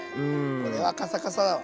これはカサカサだわ。